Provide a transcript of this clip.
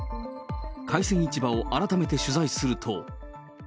海鮮市場を改めて取材すると。